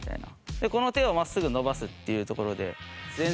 でこの手を真っすぐ伸ばすっていうところで。